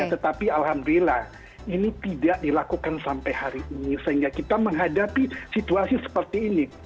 tetapi alhamdulillah ini tidak dilakukan sampai hari ini sehingga kita menghadapi situasi seperti ini